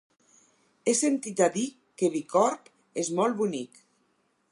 He sentit a dir que Bicorb és molt bonic.